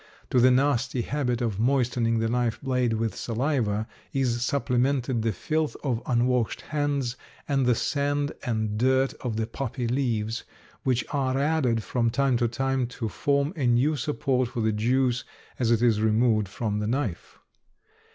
To the nasty habit of moistening the knife blade with saliva is supplemented the filth of unwashed hands and the sand and dirt of the poppy leaves, which are added from time to time to form a new support for the juice as it is removed from the knife.